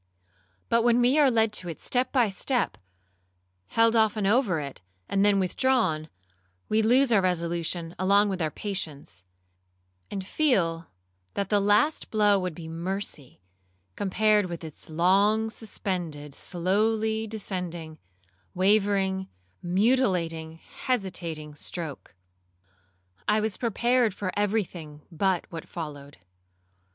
But when we are led to it step by step, held often over it, and then withdrawn, we lose our resolution along with our patience; and feel, that the last blow would be mercy, compared with its long suspended, slowly descending, wavering, mutilating, hesitating stroke. I was prepared for every thing but what followed.